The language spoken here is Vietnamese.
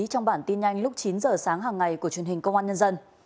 trong bản tin nhanh lúc chín giờ sáng hàng ngày của truyền hình công an nhân dân